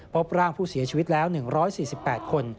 พบร่างผู้เสียชีวิตแล้ว๑๔๘คน